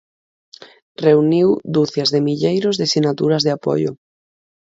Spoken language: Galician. Reuniu ducias de milleiros de sinaturas de apoio.